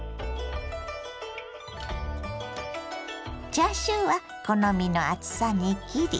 チャーシューは好みの厚さに切り。